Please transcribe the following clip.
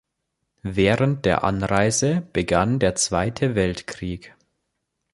Während der Anreise begann der Zweite Weltkrieg.